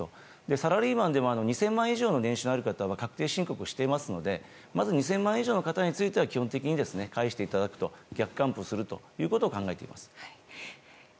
サラリーマンでも２０００万円以上年収がある方は確定申告していますのでまず２０００万以上の方については基本的に返していただく、逆還付するということを考えています。